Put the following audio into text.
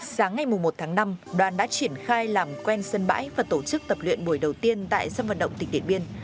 sáng ngày một tháng năm đoàn đã triển khai làm quen sân bãi và tổ chức tập luyện buổi đầu tiên tại sân vận động tỉnh điện biên